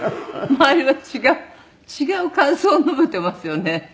周りは違う違う感想を述べていますよね。